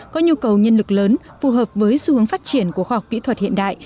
có nhu cầu nhân lực lớn phù hợp với xu hướng phát triển của khoa học kỹ thuật hiện đại